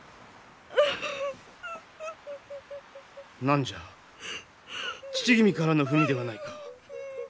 何じゃ父君からの文ではないか。